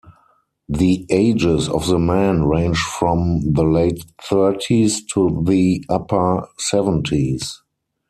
The ages of the men range from the late-thirties to the upper seventies.